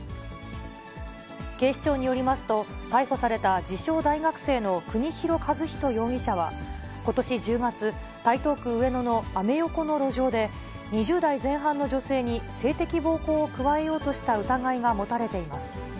警視庁によりますと、逮捕された自称大学生の国広一仁容疑者は、ことし１０月、台東区上野のアメ横の路上で、２０代前半の女性に性的暴行を加えようとした疑いが持たれています。